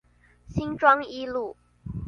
新莊一路